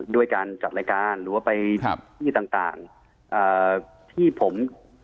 ด้วยการจัดรายการหรือว่าไปที่ต่างที่ผม